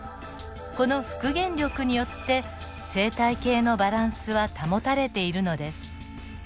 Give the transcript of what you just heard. この復元力によって生態系のバランスは保たれているのです。